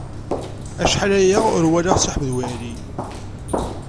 Acḥal aya ur walaɣ Si Ḥmed Waɛli.